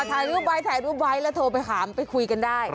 ถ่ายรูปไว้ถ่ายรูปไว้แล้วโทรไปถามไปคุยกันได้